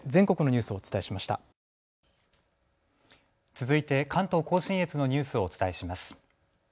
続いて関東甲信越のニュースをお伝えします。